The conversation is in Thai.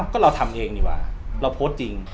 ก็เราทำเองดีกว่าเราโพสต์จริง